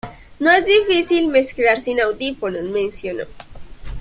No es difícil mezclar sin audífonos, menciono.